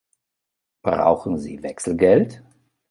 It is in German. Brauchen Sie Wechselgeld?